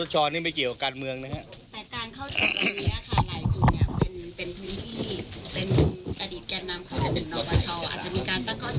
อาจจะมีการตั้งข้อสังเกตตรงนี้ไหมคะ